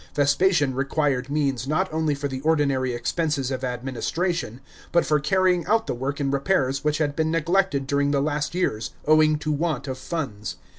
Vespasian required means not only for the ordinary expenses of administration, but for carrying out the work and repairs which had been neglected during the last years, owing to want of funds.